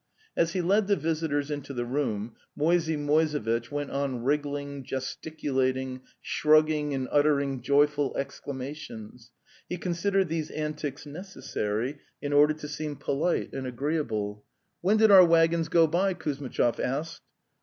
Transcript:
As he led the visitors into the room, Moisey Moisevitch went on wriggling, gesticulating, shrug ging and uttering joyful exclamations; he considered these antics necessary in order to seem polite and agreeable. '"When did our waggons go by?" Kuzmitchov asked.